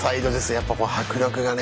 やっぱこう迫力がね。